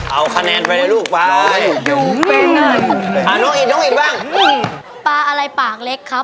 เอาคะแนนไปเลยลูกไปน้องอิทบ้างปลาอะไรปากเล็กครับ